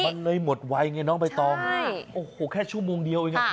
มันเลยหมดไว้ไงเนี่ยเนาะใบตองใช่โอ้โหแค่ชั่วโมงเดียวเอง